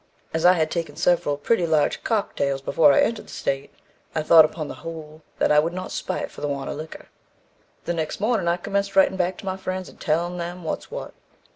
As I had taken several pretty large 'Cock Tails' before I entered the state, I thought upon the whole that I would not spite for the want of liquor. The next morning, I commenced writing back to my friends, and telling them what's what.